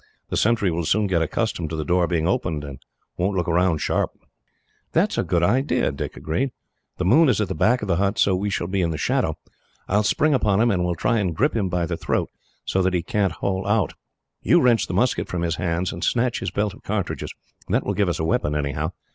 The sentry will soon get accustomed to the door being opened, and won't look round sharp." "That is a good idea," Dick agreed. "The moon is at the back of the hut, so we shall be in the shadow. I will spring upon him, and will try and grip him by the throat, so that he can't holloa. You wrench the musket from his hands, and snatch his belt of cartridges. That will give us a weapon, anyhow.